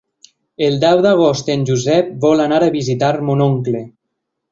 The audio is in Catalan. El deu d'agost en Josep vol anar a visitar mon oncle.